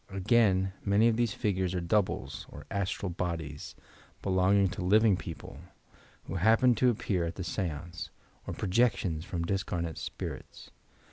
Again, many of these figures are "doubles" or "astral bodies" belonging to living peo ple, who happen to appear at the seance, or projections from discarnate spirits.